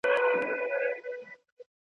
پر لمن د شنه اسمان به یوه ورځ وي لمر ختلی `